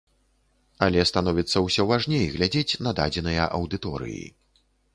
Але становіцца ўсё важней глядзець на дзённыя аўдыторыі.